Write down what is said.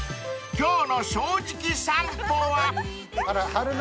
［今日の『正直さんぽ』は］